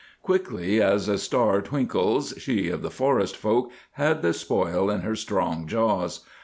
Quickly as a star twinkles she of the forest folk had the spoil in her strong jaws.